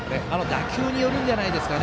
打球によるんじゃないでしょうか。